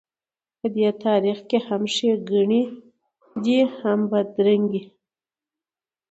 په دې تاریخ کې هم ښېګڼې دي هم بدرنګۍ.